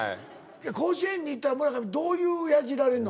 甲子園に行ったら村上どういうヤジられんの？